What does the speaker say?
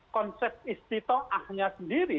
konsep istiqa'ahnya sendiri